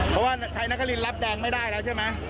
เพราะว่าไทยนครินรับแดงไม่ได้แล้วใช่ไหม